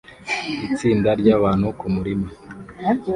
Itsinda ryabantu kumurima